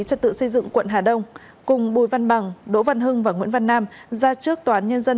trật tự xây dựng quận hà đông cùng bùi văn bằng đỗ văn hưng và nguyễn văn nam ra trước tòa án nhân dân